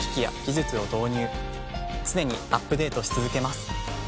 常にアップデートし続けます。